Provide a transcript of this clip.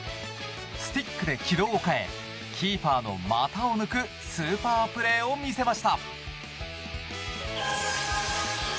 スティックで軌道を変えキーパーの股を抜くスーパープレーを見せました。